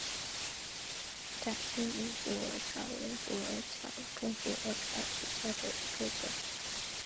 打箭炉虎耳草为虎耳草科虎耳草属下的一个种。